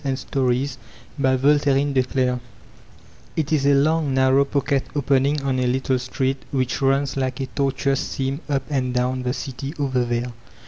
At the End of the Alley IT is a long narrow pocket opening on a little street which runs like a tortuous seam up and down the city, over there.